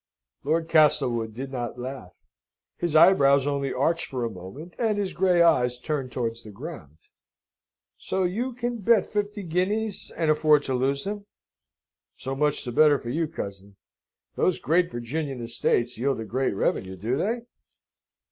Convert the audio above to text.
Lord Castlewood did not laugh. His eyebrows only arched for a moment, and his grey eyes turned towards the ground. "So you can bet fifty guineas, and afford to lose them? So much the better for you, cousin. Those great Virginian estates yield a great revenue, do they?"